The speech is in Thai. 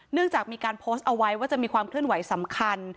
จากมีการโพสต์เอาไว้ว่าจะมีความเคลื่อนไหวสำคัญ